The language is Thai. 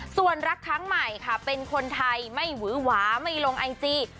ส่วนรักครั้งใหม่ค่ะเป็นคนไทยไม่หวือหวาไม่ลงไอจี